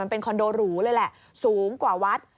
เป็นคอนโดหรูเลยแหละสูงกว่าวัด